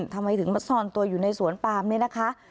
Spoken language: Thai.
ทำไมถึงมาซ่อนตัวอยู่ในสวนปามนี่นะคะ